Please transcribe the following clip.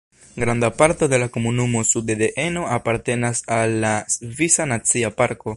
Granda parto de la komunumo sude de Eno apartenas al la Svisa Nacia Parko.